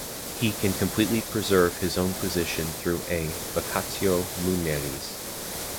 He can completely preserve his own position through a "vacatio muneris".